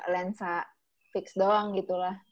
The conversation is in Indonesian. lensa fix doang gitu lah